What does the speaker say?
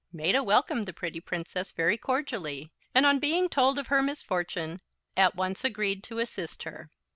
Maetta welcomed the pretty Princess very cordially and, on being told of her misfortune, at once agreed to assist her.